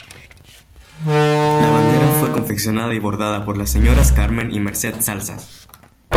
La bandera fue confeccionada y bordada por las señoras Carmen y Merced Salsas.